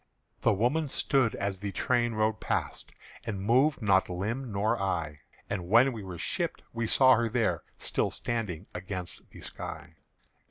The woman stood as the train rode past, And moved nor limb nor eye; And when we were shipped, we saw her there Still standing against the sky.